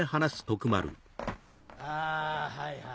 あはいはい。